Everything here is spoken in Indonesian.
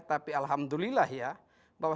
tapi alhamdulillah ya